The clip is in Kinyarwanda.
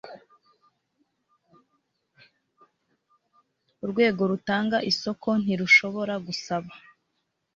Urwego rutanga isoko ntirushobora gusaba